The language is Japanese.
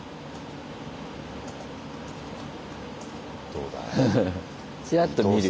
どうだい？